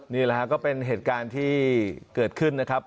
นี่แหละฮะก็เป็นเหตุการณ์ที่เกิดขึ้นนะครับ